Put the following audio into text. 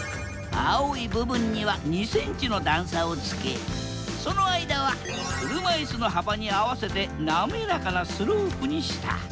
青い部分には２ｃｍの段差をつけその間は車いすの幅に合わせて滑らかなスロープにした。